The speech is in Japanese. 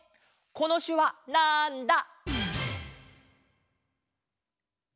このしゅわなんだ？